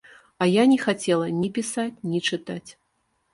А я не хацела ні пісаць, ні чытаць!